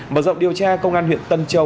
mở rộng điều tra công an huyện tân châu